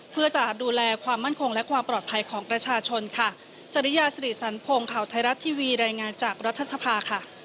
เพื่อจะดูแลความมั่นคงและความปลอดภัยของประชาชนค่ะ